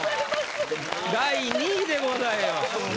第２位でございます。